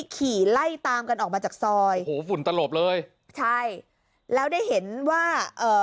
ขี่ไล่ตามกันออกมาจากซอยโอ้โหฝุ่นตลบเลยใช่แล้วได้เห็นว่าเอ่อ